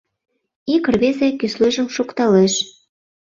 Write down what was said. Ик рвезе кӱслежым шокталеш: